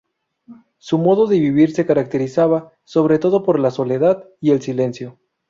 Su modo de vivir se caracterizaba sobre todo por la soledad y el silencio.